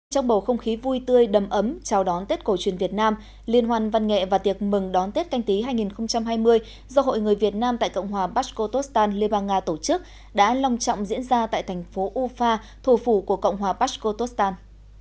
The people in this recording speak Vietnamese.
trong bầu không khí vui tươi đầm ấm chào đón tết cổ truyền việt nam liên hoàn văn nghệ và tiệc mừng đón tết canh tí hai nghìn hai mươi do hội người việt nam tại cộng hòa bashkotostan liên bang nga tổ chức đã long trọng diễn ra tại thành phố ufa thủ phủ của cộng hòa pashkotostan